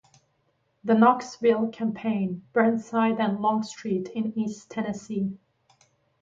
The Knoxville Campaign: Burnside and Longstreet in East Tennessee.